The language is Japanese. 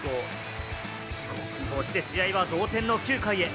そして試合は同点の９回へ。